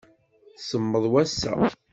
Semmeḍ wass-a.